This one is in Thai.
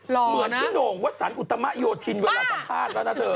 เหมือนพี่โหน่งวสันอุตมะโยธินเวลาสัมภาษณ์แล้วนะเธอ